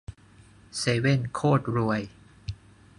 เซเว่นโคตรรวย